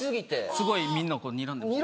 すごいみんなをこうにらんでました。